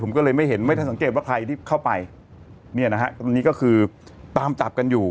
ผมก็เลยไม่สังเกตว่าใครเข้าไปเนี่ยนะฮะตรงนี้ก็คือตามจับกันอยู่